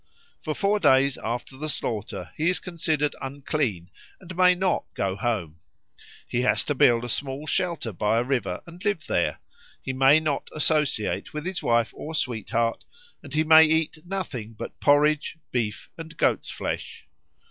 For four days after the slaughter he is considered unclean and may not go home. He has to build a small shelter by a river and live there; he may not associate with his wife or sweetheart, and he may eat nothing but porridge, beef, and goat's flesh.